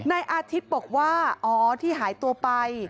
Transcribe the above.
นายอาทิตย์บอกว่าอ๋อที่หายตัวไป